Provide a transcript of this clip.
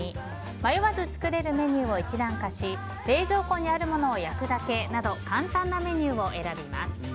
迷わず作れるメニューを一覧化し冷蔵庫にあるものを焼くだけなど簡単なメニューを選びます。